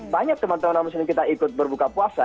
banyak teman teman muslim kita ikut berbuka puasa